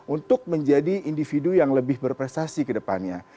untuk menjadi individu yang lebih berprestasi kedepannya